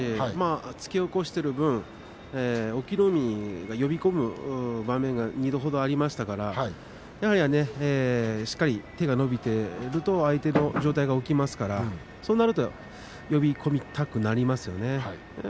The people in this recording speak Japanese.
突き起こしている分隠岐の海が呼び込む場面が２度ほどありましたからしっかり手が伸びていると相手の上体が起きますんで呼び込みたくなりますね。